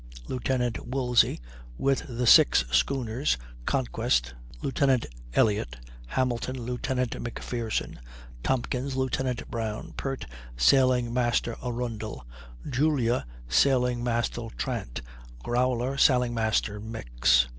Lieutenant Woolsey, with the six schooners Conquest, Lieutenant Elliott; Hamilton, Lieutenant McPherson; Tompkins, Lieutenant Brown; Pert, Sailing master Arundel; Julia, Sailing master Trant; Growler, Sailing master Mix.